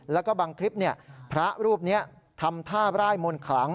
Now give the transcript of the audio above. แล้วก็บางคลิปพระรูปนี้ทำท่าร่ายมนต์ขลัง